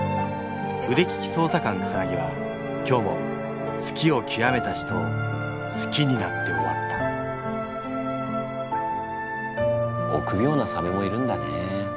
腕利き捜査官草は今日も好きをきわめた人を好きになって終わった臆病なサメもいるんだね。